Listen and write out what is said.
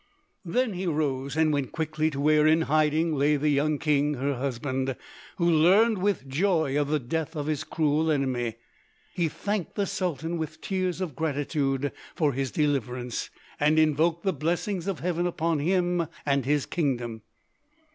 Then he rose and went quickly to where in hiding lay the young king her husband, who learned with joy of the death of his cruel enemy. He thanked the Sultan with tears of gratitude for his deliverance, and invoked the blessings of Heaven upon him and his kingdom.